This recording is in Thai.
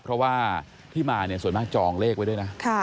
เพราะว่าที่มาเนี่ยส่วนมากจองเลขไว้ด้วยนะ